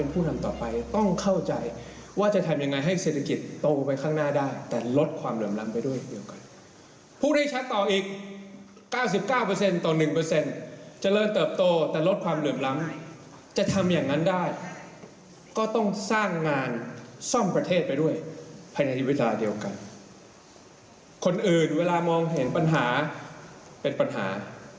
ผมเห็นปัญหาเป็นปัญหา